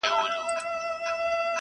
هر نسل ترې